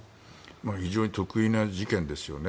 非常に特異な事件ですよね。